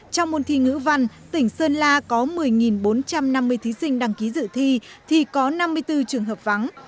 trong môn thi ngữ văn tỉnh sơn la có một mươi bốn trăm năm mươi thí sinh đăng ký dự thi thì có năm mươi bốn trường hợp vắng